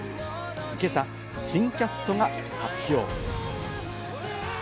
今朝、新キャストが発表。